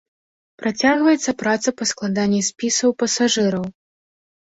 Працягваецца праца па складанні спісаў пасажыраў.